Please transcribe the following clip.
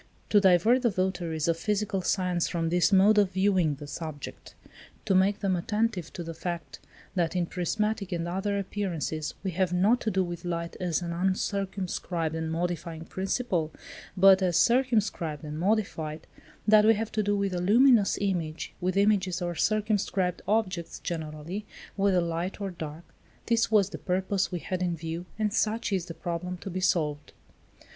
To divert the votaries of physical science from this mode of viewing the subject; to make them attentive to the fact, that in prismatic and other appearances we have not to do with light as an uncircumscribed and modifying principle, but as circumscribed and modified; that we have to do with a luminous image; with images or circumscribed objects generally, whether light or dark: this was the purpose we had in view, and such is the problem to be solved.